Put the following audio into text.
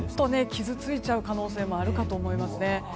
傷ついちゃう可能性もあるかと思いますね。